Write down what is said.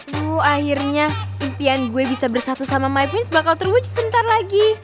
duh akhirnya impian gue bisa bersatu sama my prince bakal terwujud sebentar lagi